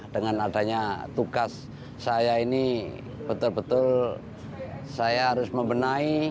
dengan adanya tugas saya ini betul betul saya harus membenahi